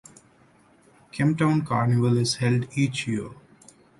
Kemptown Carnival is held each year.